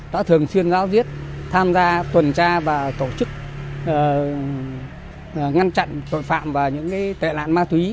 đã thường xuyên giáo diết tham gia tuần tra và tổ chức ngăn chặn tội phạm và những tệ nạn ma túy